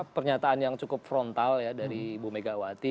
pernyataan yang cukup frontal ya dari bu megawati